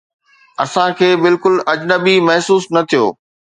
اسان کي بلڪل اجنبي محسوس نه ٿيو